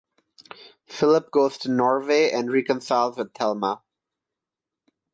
Philip goes to Norway and reconciles with Thelma.